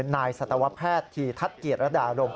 นายศตวแพทย์ที่ทัศน์เกียรติรัฐธรรม